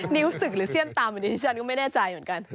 นิ้วสึกหรือเสี้ยนตำฉันก็ไม่แน่ใจเหมือนกัน